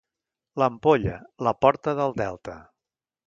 L'Ampolla, la porta del Delta.